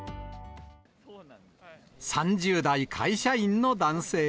３０代、会社員の男性。